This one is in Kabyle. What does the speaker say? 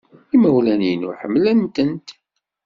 Imawlan-inu ḥemmlen-tent.